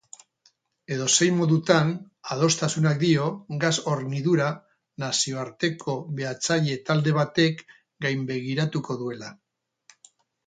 Edozein modutan, adostasunak dio gas-hornidura nazioarteko behatzaile-talde batek gainbegiratuko duela.